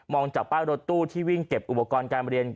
จากป้ายรถตู้ที่วิ่งเก็บอุปกรณ์การเรียน